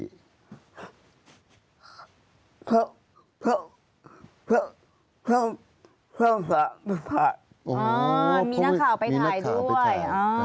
มีนักข่าวไปถ่ายด้วย